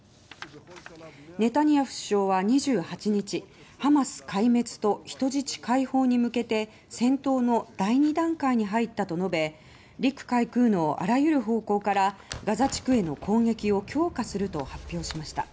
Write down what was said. ネタニヤフ首相は２８日ハマス壊滅と人質解放に向けて戦闘の第２段階に入ったと述べ陸海空のあらゆる方向からガザ地区への攻撃を強化すると発表しました。